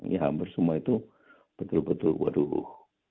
ya hampir semua itu betul betul waduh